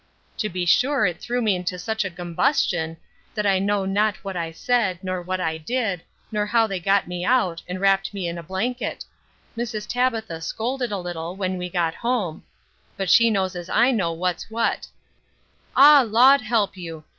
To be sure, it threw me into such a gumbustion, that I know not what I said, nor what I did, nor how they got me out, and rapt me in a blanket Mrs Tabitha scoulded a little when we got home; but she knows as I know what's what Ah Laud help you!